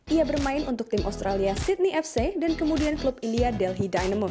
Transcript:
ia bermain untuk tim australia sydney fc dan kemudian klub india delhi dynamon